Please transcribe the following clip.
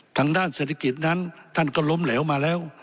ทางด้านเศรษฐกิจนั้นท่านก็ล้มเหลวมาแล้ว